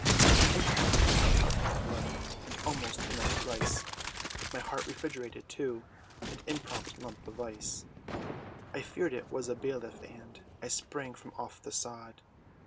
The impact curled up my blood; And almost in a thrice, My heart refrigerated, to An imprompt lump of ice! I feared it was a bailiff, and I sprang from off the sod!